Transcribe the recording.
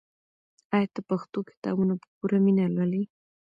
آیا ته پښتو کتابونه په پوره مینه لولې؟